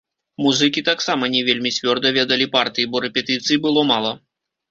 Музыкі таксама не вельмі цвёрда ведалі партыі, бо рэпетыцый было мала.